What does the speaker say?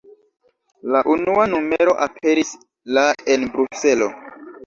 La unua numero aperis la en Bruselo.